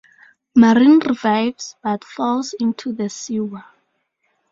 Marin revives, but falls into the sewer.